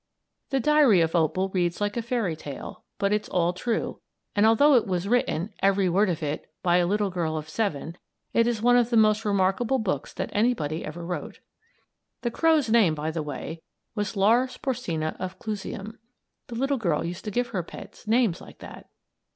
The diary of "Opal" reads like a fairy tale, but it's all true, and although it was written every word of it by a little girl of seven, it is one of the most remarkable books that anybody ever wrote. The crow's name, by the way, was "Lars Porsina of Clusium." The little girl used to give her pets names like that.